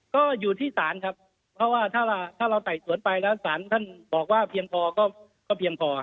ก็อยู่ที่ศาลครับเพราะว่าถ้าเราไต่สวนไปแล้วสารท่านบอกว่าเพียงพอก็เพียงพอ